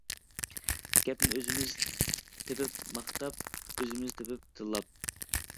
گەپنى ئۆزىمىز تېپىپ ماختاپ، ئۆزىمىز تېپىپ تىللاپ.